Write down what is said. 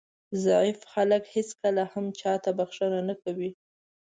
ضعیف خلک هېڅکله هم چاته بښنه نه کوي.